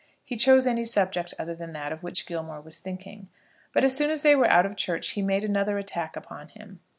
He chose any subject other than that of which Gilmore was thinking. But as soon as they were out of church he made another attack upon him.